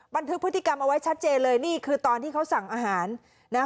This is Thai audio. บันทึกพฤติกรรมเอาไว้ชัดเจนเลยนี่คือตอนที่เขาสั่งอาหารนะ